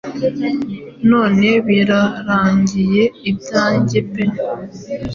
none birarangiye ibyanjye pe